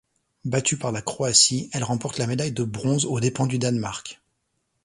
Battue par la Croatie, elle remporte la médaille de bronze aux dépens du Danemark.